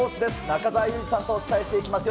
中澤佑二さんとお伝えしていきます。